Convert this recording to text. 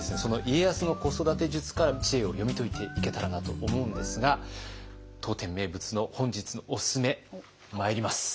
家康の子育て術から知恵を読み解いていけたらなと思うんですが当店名物の本日のおすすめまいります。